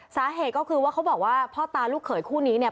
สาเหตุก็คือว่าเขาบอกว่าพ่อตาลูกเขยคู่นี้เนี่ย